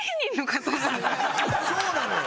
そうなのよ。